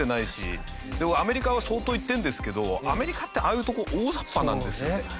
アメリカは相当行ってるんですけどアメリカってああいうところ大ざっぱなんですよ。